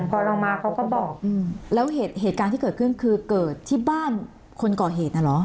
พอเรามาเขาก็บอกแล้วเหตุการณ์ที่เกิดขึ้นคือเกิดที่บ้านคนก่อเหตุน่ะเหรอ